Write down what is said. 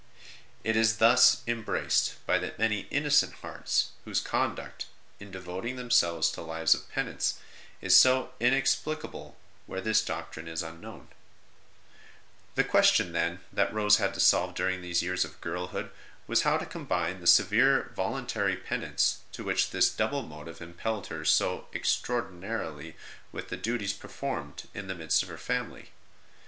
It is thus embraced by the many innocent hearts whose conduct, in devoting themselves to lives of penance, is so inexplicable where this doctrine is unknown. PENITENTIAL PRACTICES OF HER GIRLHOOD 85 The question, then, that Rose had to solve during these years of girlhood was how to com bine the severe voluntary penance to which this double motive impelled her so extraordinarily with the duties performed in the midst of her family.